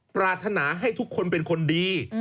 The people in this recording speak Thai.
ปรารถนาให้ทุกคนเป็นคนดี